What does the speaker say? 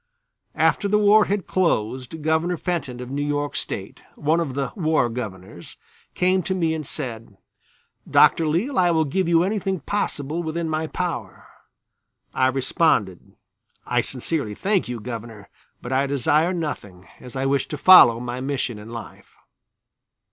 After the war had closed Governor Fenton, of New York State, one of the "War Governors," came to me and said: "Dr. Leale, I will give you anything possible within my power." I responded: "I sincerely thank you, Governor; but I desire nothing, as I wish to follow my mission in life."